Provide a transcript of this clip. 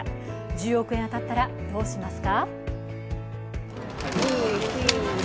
１０億円当たったら、どうしますか？